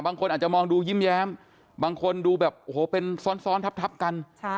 บางคนอาจจะมองดูยิ้มแย้มบางคนดูแบบโอ้โหเป็นซ้อนทับกัน